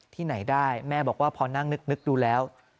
ที่ไหนได้แม่บอกว่าพอนั่งนึกดูแล้ว